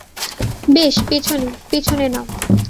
বেশ, পেছনে, পেছনে নাও।